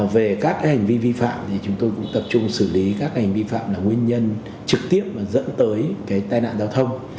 về các hành vi vi phạm thì chúng tôi cũng tập trung xử lý các hành vi phạm là nguyên nhân trực tiếp mà dẫn tới cái tai nạn giao thông